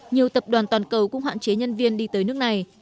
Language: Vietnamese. nhiều tập đoàn toàn cầu cũng hạn chế nhân viên đi tới nước này